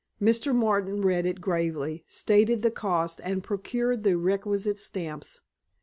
Mr. Martin read it gravely, stated the cost, and procured the requisite stamps.